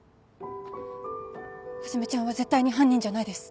はじめちゃんは絶対に犯人じゃないです。